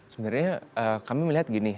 sebenarnya kami melihat gini